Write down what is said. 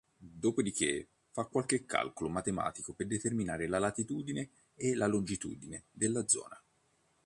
Dopodiché fa qualche calcolo matematico per determinare la latitudine e la longitudine della zona.